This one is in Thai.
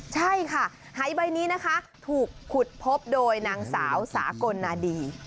ใช่ค่ะหายใบนี้นะคะถูกขุดพบโดยนางสาวสากลนาดี